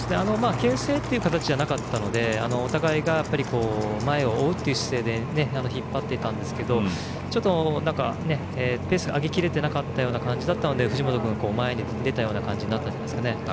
けん制という形じゃなかったのでお互いが前を追うという姿勢で引っ張っていたんですけどちょっと、ペースを上げきれていない感じだったので藤本君は前に出たような感じになったんですかね。